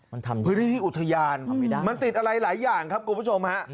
มันทำอย่างไรนะครับทำไมได้นะครับมันติดอะไรหลายอย่างครับคุณผู้ชมฮะ